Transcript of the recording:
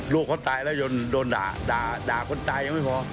ลูกเขาตายแล้วยังโดนด่าด่าคนใจยังไม่พอ